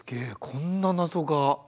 こんな謎が。